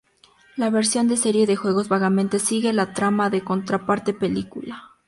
La versión de serie de juegos vagamente sigue la trama de su contraparte película.